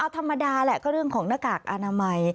ธรรมดาแหละก็เรื่องของหน้ากากอนามัย